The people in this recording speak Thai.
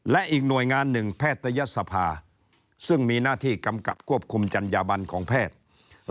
และอีกหน่วยงานหนึ่งแพทยศภาซึ่งมีหน้าที่กำกับควบคุมจัญญาบันของแพทย์